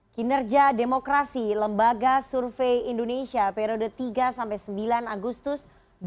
kinerja demokrasi lembaga survei indonesia periode tiga sembilan agustus dua ribu dua puluh